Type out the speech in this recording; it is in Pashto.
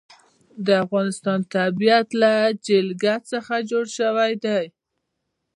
د افغانستان طبیعت له جلګه څخه جوړ شوی دی.